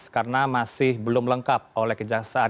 karena masih belum lengkap oleh kejaksaan